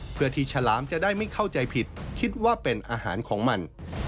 เพื่อที่ฉลามจะได้ไม่เข้าใจผิดคิดว่าเป็นอาหารของมัน